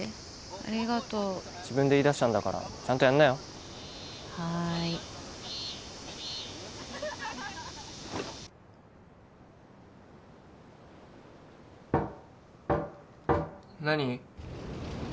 ありがとう自分で言い出したんだからちゃんとやんなよはーい何？